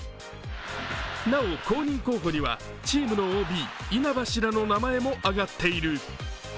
なお、後任候補にはチームのＯＢ、稲葉氏らの名前も挙がっている。